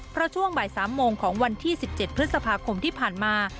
เพราะช่วงบ่าย๓โมงของวันที่๑๗พฤษภาคมที่ผ่านมา